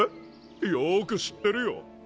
よく知ってるよ。